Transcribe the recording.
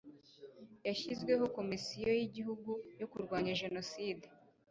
hashyizweho komisiyo y'igihugu yo kurwanya jenoside (cnlg)